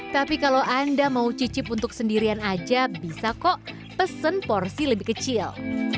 tapi kalau anda mau cicip untuk sendirian aja bisa kok pesen porsi lebih kecil